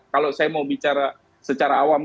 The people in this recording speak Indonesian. kalau saya mau bicara secara awam